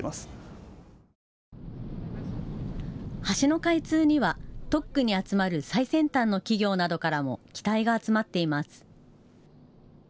橋の開通には特区に集まる最先端の企業などからも期待が集まっています。